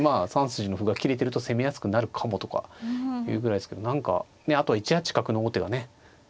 ３筋の歩が切れてると攻めやすくなるかもとかいうぐらいですけど何かあとは１八角の王手がね